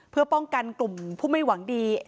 เพื่อป้องกันกลุ่มผู้ไม่หวังดี